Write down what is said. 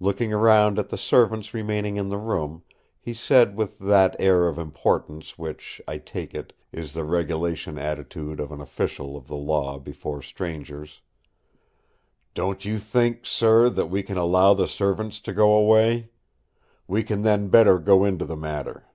Looking around at the servants remaining in the room, he said with that air of importance which, I take it, is the regulation attitude of an official of the law before strangers: "Don't you think, sir, that we can allow the servants to go away? We can then better go into the matter."